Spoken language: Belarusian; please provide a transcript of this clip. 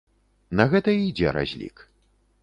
На гэта і ідзе разлік.